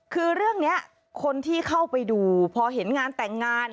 คือเรื่องนี้คนที่เข้าไปดูพอเห็นงานแต่งงาน